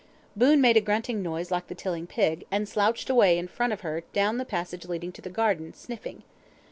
Boon made a grunting noise like the Tilling pig, and slouched away in front of her down the passage leading to the garden, sniffing.